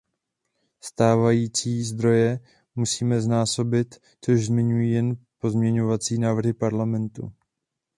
Stávající zdroje musíme znásobit, což zmiňují jen pozměňovací návrhy Parlamentu.